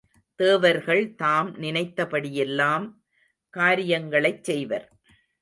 தேவர்கள் தாம் நினைத்தபடியெல்லாம் காரியங்களைச் செய்வர்.